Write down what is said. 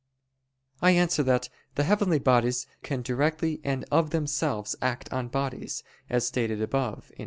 I answer that, The heavenly bodies can directly and of themselves act on bodies, as stated above (A.